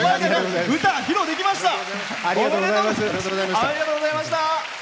ありがとうございます。